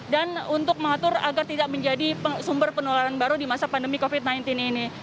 dan untuk mengatur agar tidak menjadi sumber penularan baru di masa pandemi covid sembilan belas ini